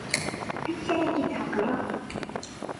Amek ara k-id-εeqleɣ?